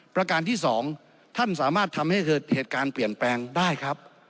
ประการที่๒ท่านสามารถทำให้เกิดเหตุการณ์เปลี่ยนแปลงได้ครับ